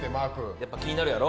やっぱ気になるやろ？